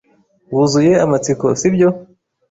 Wuzuye amatsiko, sibyo?